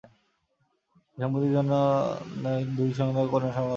এই দম্পতির একজন পুত্র ও দুই কন্যা সন্তান রয়েছে।